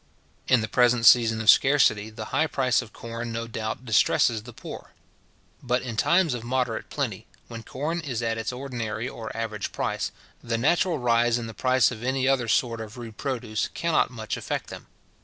In the present season of scarcity, the high price of corn no doubt distresses the poor. But in times of moderate plenty, when corn is at its ordinary or average price, the natural rise in the price of any other sort of rude produce cannot much affect them.